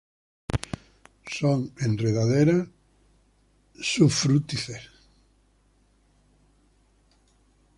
Son enredaderas sufrútices.